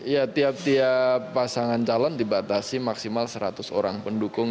ya tiap tiap pasangan calon dibatasi maksimal seratus orang pendukung